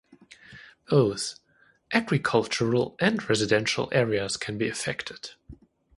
Both agricultural and residential areas can be affected.